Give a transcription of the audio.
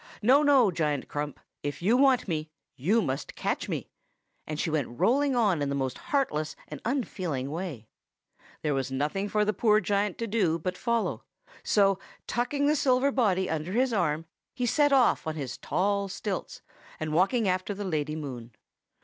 No, no, Giant Crump; if you want me, you must catch me!' and she went rolling on in the most heartless and unfeeling way. "There was nothing for the poor giant to do but follow; so, tucking the silver body under his arm, he set off on his tall stilts, and walked after the Lady Moon.